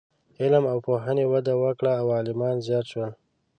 علم او پوهنې وده وکړه او عالمان زیات شول.